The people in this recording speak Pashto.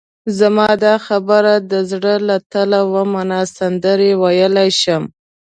زما دا خبره د زړه له تله ومنه، سندرې ویلای شم.